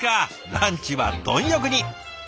ランチは貪欲に！